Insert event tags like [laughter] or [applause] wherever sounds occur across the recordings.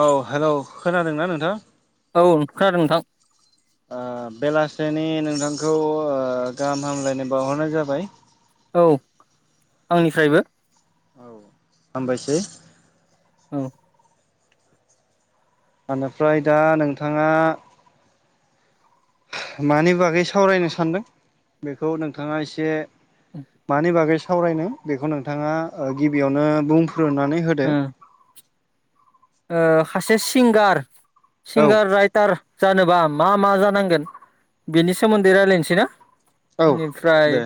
औ हेलौ खोनादोंना नोंथां। औ खोनादों नोंथां। ओ बेलासेनि नोंथांखौ ओ गाहाम हामलायनाय बावहरनाय जाबाय। औ आंनिफ्रायबो। औ हामबायसै। उम। बेनिफ्राय दा नोंथाङा मानि बागै सावरायनो सानदों बेखौ नोंथाङा एसे मानि बागै सावरायनो बेखौ नोंथाङा गिबियावनो बुं। रुनानै होदो! ओ सासे सिंगार औ सिंगार राइटार जानोबा मा मा जानांगोन बेनि सोमोन्दै रायजलायनोसै ना। औ बेनिफ्राय दे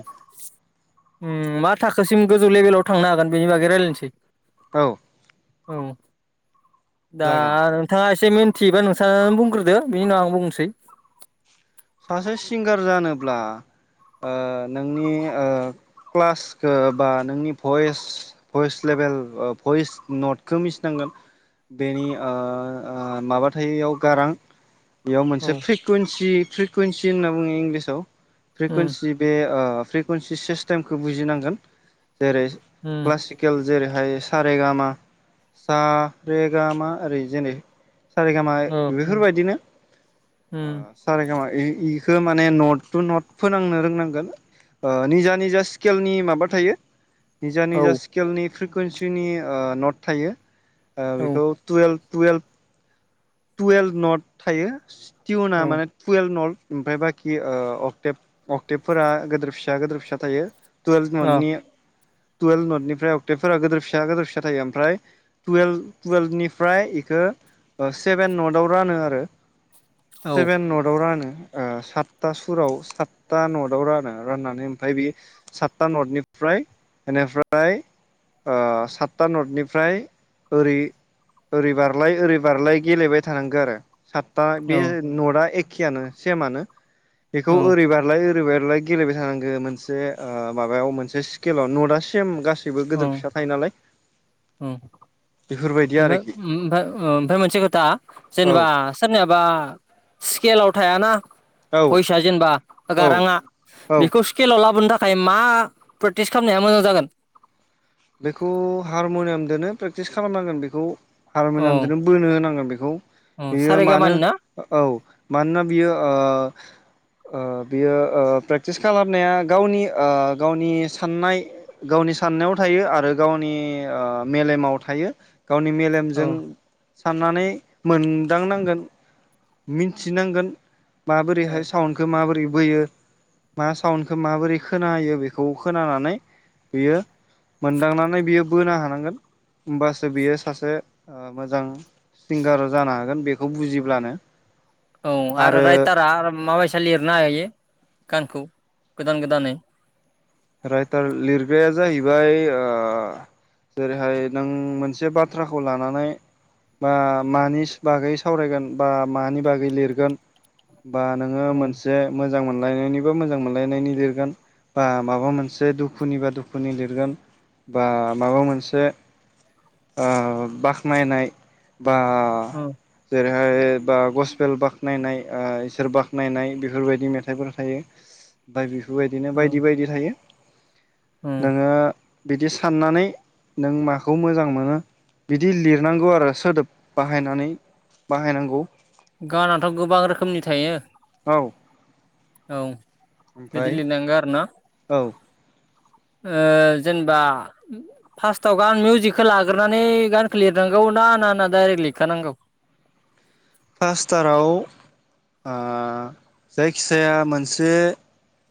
मा थाखोसिम गोजौ लेभेलाव थांनो हागोन बेनि बागै रायजलायनोसै। औ औ। दा जागोन नोंथाङा एसे मिन्थियोबा नोंसाङानो बुंग्रोदो बिनि उनाव आं बुंसै। सासे सिंगार जानोब्ला ओ नोंनि ओ क्लासखौ बा नोंनि भइस भइस लेभेल भइस नटखौ मिथिनांगोन। बेनि ओ ओ माबाथायाव एवाव गारां बेयाव मोनसे औ फ्रिकुन्सि फ्रिकुवन्सि होनना बुङो इंलिसाव उम फ्रिकुवन्सि बे फ्रिकुवन्सि सिस्टेमखौ बुजिनांगोन जेरै उम क्लासिकेल जेरैहाय स रे गा मा स रे गा मा ओरै जेरै सारेगामा औ बेफोरबायदिनो ओ उम सारे खामा इख माने नट थु नट फोनांनो रोंनांगोन। ओ निजा निजा स्केलनि माबा थायो। निजा औ निजा स्केलनि फ्रिकुवेन्सिनि नट थायो औ बेखौ टुवेल्भ टुवेल्भ। टुवेल्भ नट थायो टिउना औ माने अ टुवेल्भ नट। ओमफ्राय बाखि अक्टेब अक्टेबफोरा गिदिर फिसा गिदिर फिसा थायो। टुवेल्भ नटनि टुवेल्भ नटनिफ्राय अक्टेफोरा गिदोर फिसा गदोर फिसा थायो ओमफ्राय टुेल्भ टुयेल्भनिफ्राय बेखौ सेभेन नटआव रानो आरो औ सेभेन नटआव रानो। सातथा सुराव सातता नटआव रानो राननानै ओमफ्राय बे सातता नथनि मफ्राय बेनिफ्राय सातथा नटनिफ्राय ओरै बारलाय ओरै बारलाय। गेलेबाय थानांगौ आरो सातथा औ बे नटआ एखेयानो सेमानो। बेखौ औ ओरैबारलाय ओरैबार। गेलेबाय थानांगो मोनसे माबायाव मोनसे स्केलाव न सेम ग गासैबो गिदिर फिसा थायो नालाय। ओ बेफोरबायदि आरोखि ओफ्राय ओमफ्राय मोनसे दा औ जेनेबा सोरनियाबा स्केलाव थायाना औ फैसा जेनेबा औ एगाराङा औ बेखौ स्केलाव लाबोनो थाखाय। थाखाय मा प्रेक्टिस खालामनाया मोजां जागोन। बेखौ हारमुनियामदोनो प्रेक्टिस खालामनांगोन बेखौ औ हारमुनियामदोनो बोनो होनांगोन बेखौ। औ बेयो मानो सारेगामानि ना औ मानोना बियो। बियो प्रेक्टिस खालामनाया गावनि गावनि साननाय गाव नि ग गावनि सान्नायाव थायो आरो गावनि मेलेमाव थायो गावनि औ मेलेमजों। [inaudible] औ माबोरैहाय साउडखौ माबोरै बोयो मा साउन्खौो माबोरै खोन होयो बेखौ खोनानानै बियो। मोनदांनानै बियो बोनो हानांगोन हबासो बियो सासे मोजां सिंगाराव जानो हागोन बेखौ बुजिब्लानो औ आरो रायथारा माबायसा लिरनो हागायो गानख गोदान गोदानैे राइटार लिरनायाया जाहैबाय जेरैहाय नों मोनसे बाथ्राखौ लानानै बा मानि बागै सावरायगोन बा मानि बागै लिरगोन बा नोङो औ मोनसे मोजां मोनलायनायनिबा मोजां मोनलायनायनि लिरगोन बा माबा मोनसे दुखुनि बा दुखुनि लिरगोन बा माबा मोनसे ओ बाख्नायनाय बा औ जेरै ओ बा गसबेल बाखनायनाय ओ इसोर बाखनायनाय बेफोरबायदि मेथाइफोर थायो दा बेफोरबायदिनो औ बायदि बायदि थायो ओम नोङो। बिदि साननानै नों माखौ मोजां मोनो। बिदि लिरनांगौ आरो सोदोब बाहायनानै बाहायनांगौ गानाथ' गोबां रोखोमनि थायो औ। औ बिदि ओमफ्राय लिरनांगो आरो न' औ ओ जेनेबा फार्स्टआव गान मिउजिकखौ लाग्रोनानै गानखौ लिरनांगौ ना ना ना दाइरेक्ट लिरखानांगौ पासथाराव ओ जायखिजाया मोनसे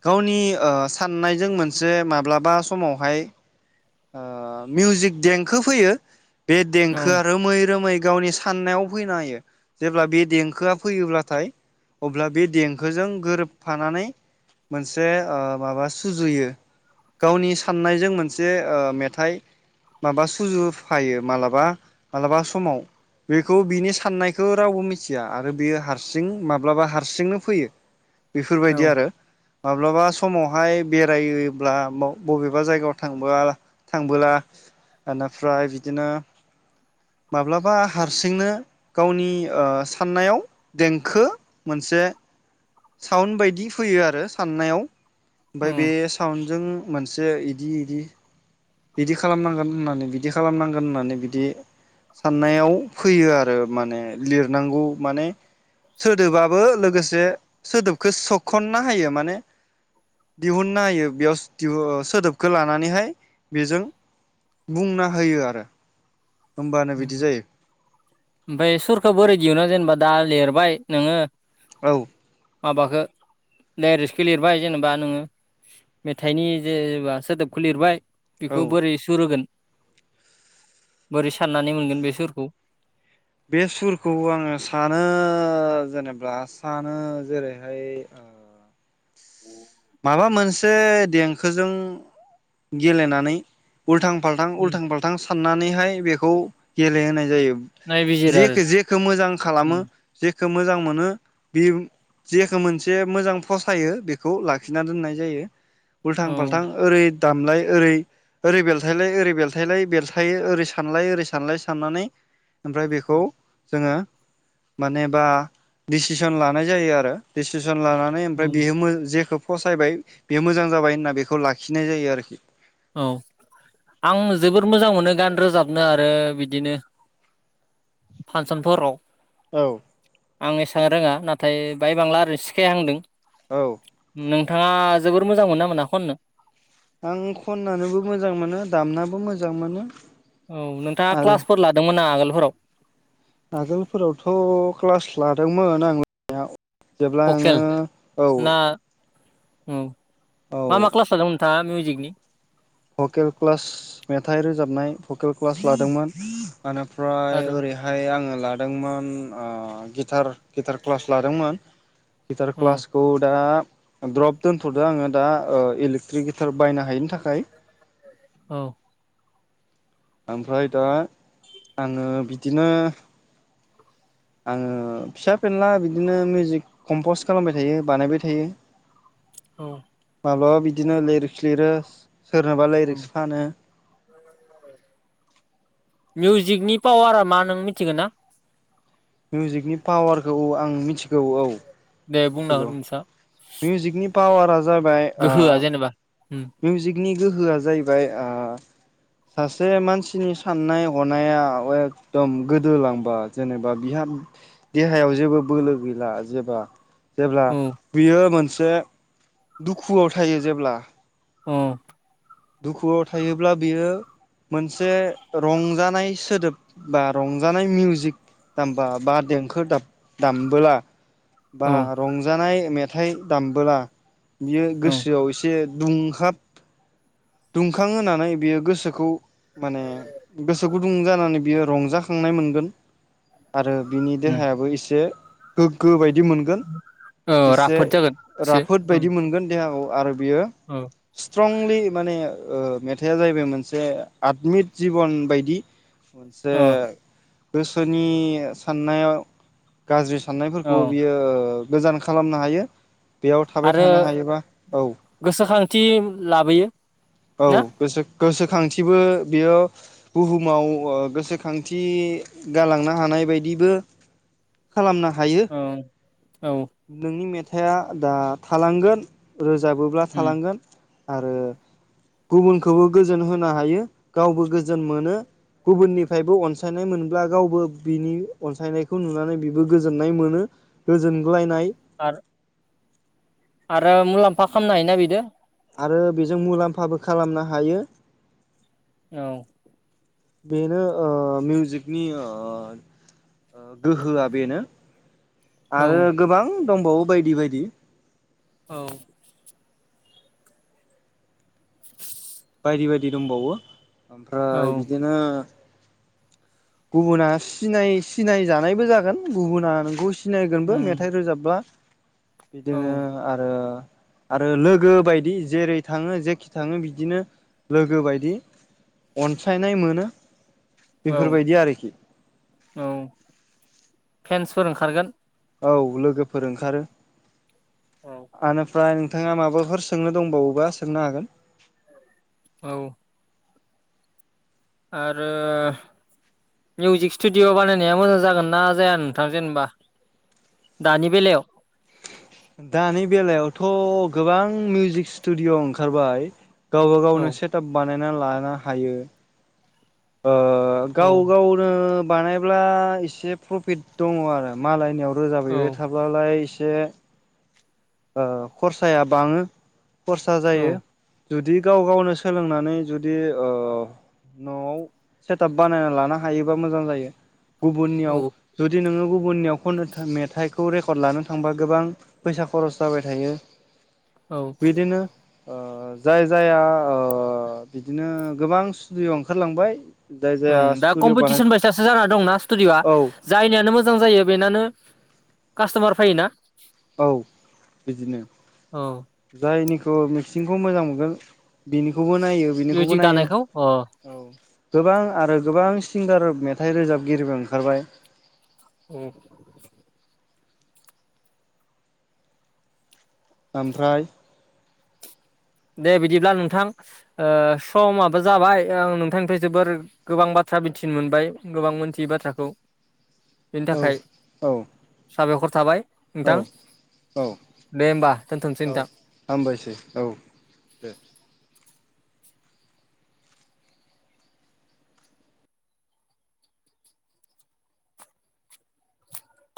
गावनि ओ साननायजों मोनसे माब्लाबा समावहाय ओ मिउजिक देंखो फैयो बे औ देंखोआ रोमै रोमै गावनि साननायाव फैना होयो जेब्ला बे देंखोआ फैयोब्लाथाय अब्ला बे देंखोजों गोरोबफानानै। मोनसे ओ माबा सुजुयो गावनि साननायजों मोनसे। ओ मेथाइ माबा सुजुफायो मालाबा मालाबा समाव। बेखौ बिनि साननायखौ रावबो मिथिया आरो बेयो हारसिं माब्लाबा हारसिंनो फैयो। बेफोरबायदि औ आरो। माब्लाबा समावहाय बेरायोब्ला बाव-बबेबा जायगायाव थांबा थांबोला ओनोफ्राय बिदिनो माब्लाबा हारसिंनो गावनि ओ साननायाव देंखो मोनसे साउन्ड बायदि फैयो आरो साननायाव ओमफ्राय बे उम साउन्डजों मोनसे इदि इदि बिदि खालामनांगोन होननानै बिदि खालामनांगोन होननानै बिदि साननायाव फैयो आरो माने लिरनांगौ माने सोदोबाबो लोगोसे सोदोबखौ सोखनना होयो माने दिहुनना हायो बेयाव दिहु ओ सोदोबखौ लानानैहाय बेजों बुंना होयो आरो होमबानो उम बिदि जायो ओमफाय सुरखौ बोरै दिहुनो जेनेबा दा लिरबाय नोङो औ माबाखो डाइरेक्टखो लिरबाय जेनेबा नोङो मेथाइनि जेबा सोदोबखौ लिरबाय औ बेखौ बोरै सुरहोगोन बोरै साननानै मोनगोन बे सुरखौ बे सुरखौ आङो सानो जेनेबा सानो जेरैहाय ओ अ माबा मोनसे देंखोजों गेलेनानै उल्थां फाल्थां उम उल्थां फाल्थां साननानैहाय बेखौ गेलेहोनाय जायो नायबिजिर आरो जेखो जेखौ मोजां खालामो जे- खो मोजां मोनो बे जेखो मोनसे मोजां फसायो बेखौ लाखि लाखिना दोननाय जायो उल्थां औ फाल्थां ओरै दामलाय ओरै ओरै बेलथायलाय ओरै बेलथायलाय बेलथायो ओरै सानलाय ओरै सानलाय साननानै ओमफ्राय औ बेखौ जोङो मानेबा डिसिसन लानाय जायो आरो दिसिसन एदमिस्वन लानानै ओमफ्राय उम बियो मो जेखौ फसायबाय बेयो मोजां जाबाय होनना बेखौ लाखिनाय जायो आरोखि औ आं जोबोद मोजां मोनो गान रोजाबनो आरो बिदिनो फानसनफोराव औ आं एसां रोङा नाथाय बाय बांला ओरै सिखायहांदों औ नोंथाङा जोबोर मोजां मोनोना मोना खननो आं खननानैबो मोजां मोनो दामनाबो मोजां मोनो। औ नोंथांङा आरो क्लासफोर लादोंमोन ना मा आगोलफोराव? आगोलफोरावथ' क्लास लादोंमोन आं जेब्ला आङो भकेल औ ना औ औ मा मा क्लास लादोंमोन नोंथाङा मिउजिकनि? भकेल क्लास मेथाइ रोजाबनाय भकेल क्लास लादोंमोन। एनिफ्राय आरो ओरैहाय आङो लादोंमोन अ गिटार गिटार क्लास लादोंमोन। गिटार औ क्लासखौ दा द्रप दोनथ'दो आङो दा ओ इलेक्ट्रिक गिटार बायनो हायिनि थाखाय। औ। ओमफ्राय दा आङो बिदिनो आङो फिसा फेनला बिदिनो मिउजिक कमपस्ट खालामबाय थायो बानायबाय थायो। [inaudible] औ। माब्लाबा बिदिनो लिरिक्स लिरो सोरनोबा औ लिरिक्स फानो। मिउजिकनि पावारा मा नों मिथिगो ना? मिउजिकनि पावारखौ औ आं मिथिगौ औ। दे बुंना हो मिथिगौ नोंसा मिउजकनि जाबाय आ गोहोआ जेनेबा उम मिउजिकनि गोहोआ जाहैबाय आ सासे मानसिनि साननाय हनाया एकदम गोदोलांबा जेने बा बिहा देहायाव जेबो बोलो गैला जेबा जेब्ला औ बियो मोनसे दुखुआव थायो जेब्ला अ। दुखुआव थायोब्ला बेयो मोनसे रंजानाय सोदोब बा रंजानाय मिउजिक दामबा बा देंखो दाब-दामबोला बा औ रंजानाय मेथाइ दामबोला बियो औ गोसोआव एसे दुंहाब दुंखां होनानै बेयो गोसोखौ माने गोसो गुदुं जानानै बियो रंजाखांनाय मोनगोन आरो बिनि उम देहायाबो एसे गोग्गो बायदि मोनगोन औ एसे राफोद जागोन एसे राफोद उम बायदि मोनगोन देहाखौ आरो बेयो औ स्ट्रंलि माने ओ मेथाइआ जाहैबाय मोनसे आदमिद जिबन बायदि मोनसे औ गोसोनि साननायाव गाज्रि साननायफोरखौबो औ बेयो गोजान खालामनो हायो। बेयाव थाबाय आरो थानो हायोबा औ गोसोखांथि लाबोयो औ ना गोसो गोसोखांथिबो बियो बुहुमाव ओ गोसोखांथि गालांनो हाना नाय बायदिबो खालामनो हायो औ औ नोंनि मेथाइआ दा थालांगोन रोजाबोब्ला उम थालांगोन आरो गुबुनखौबो गोजोन होनो हायो गावबो गोजोन मोनो गुबुननिफ्रायबो अनसा सायनाय मोनब्ला गावबो बिनि अनसायनायखौ नुनानै बिबो गोजोननाय मोनो गोजोनग्लाय नाय आरो आरो मुलाम्फा खामनो हायोना बिदो? आरो बेजों मुलाम्फाबो खालामनो हायो। औ बेनो ओ मिउजिकनि ओ गोहोआ बेनो औ आरो गोबां दंबावो बायदि बायदि। औ बायदि बायदि दंबावो औ ओमफ्राय बिदिनो गुबुना सिनाय सिनाय जानायबो जागोन गुबुना नोंखौ सिनायगोनबो उम मेथाइ रोजाबबा। औ बिदिनो आरो आरो लोगो बायदि जेरै थाङो जेखि थाङो बिदिनो लोगो बायदि अनसायनाय मोनो। औ बेफोरबायदि आरोखि। फ्रेन्सफोर ओंखारगोन? औ लोगोफोर ओंखारो औ आनिफ्राय उम नोंथाङा माबाफोर सोंनो दंबावोबा सोंनो हागोन। औ आरो मिउजिक स्टुडिअ' बानायनाया मोजां जागोन ना जाया नोंथां जेनेबा दानि बेलायाव? दानि बेलायावथ' गोबां मिउजिक स्टुडिअ ओंखारबाय। गावबा औ गावनो सेटाप बानायना लानो हायो। ओ औ गाव गावनो बानायब्ला एसे प्रफिट दङ' आरो मालायनियाव औ रोजाबहैबाय थाब्लालाय एसे ओ खरसाया बाङो। खरसा औ जायो जुदि गाव गावनो सोलोंनानै जुदि ओ न'आव सेटाप बानायना लानो हायोबा मोजां जायो औ गुबुननियाव जुदि नोङो गुबु गुबुननियाव खननो मेथाइखौ रेकर्ड लानो थांबा गोबां फैसा खरस जाबाय थायो। औ बिदिनो ओ जाय जाया ओ बिदिनो गोबां स्टुडिअ ओंखारलांबाय। जाय जाया ओं दा स्टुडिअ बानाय कम्पिटिसन बायसासो जाना दंना स्टुडिअ'आ औ जायनियानो मोजां जायो बेनानो कास्ट'मार फायोना? औ बिदिनो औ जायनि मिसिंखौ मोजां मोनगोन बेनि खौबो नायो बिनिखौबो मिउजिक नायो दानायखौ औ गोबां आरो गोबां सिंगार मेथाइ रोजाबगिरिबो ओंखारबाय। उम ओमफ्राय दे बिदिब्ला नोंथां ओ समाबो जाबाय आं नोंथांनिफ्राय जोबोर गोबां बा थ्रा मिथिनो मोनबाय गोबां मोनथियै बाथ्राखौ। बेनि औ थाखाय साबायख'र थाबाय औ नोंथां औ दे होमबा दोनथ'नोसै औ नोंथां हामबायसै औ दे